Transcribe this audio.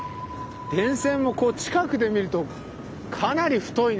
電線もこう近くで見るとかなり太いね。